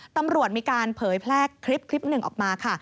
ตำรวจมีการเผยแพร่คลิปหนึ่งออกมาค่ะ